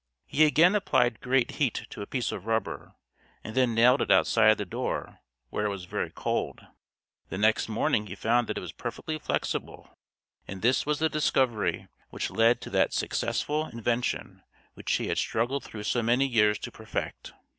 He again applied great heat to a piece of rubber, and then nailed it outside the door, where it was very cold. The next morning he found that it was perfectly flexible; and this was the discovery which led to that successful invention which he had struggled through so many years to perfect.